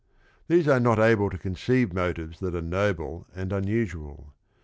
These are not able to conceive motives that are noble and un usual.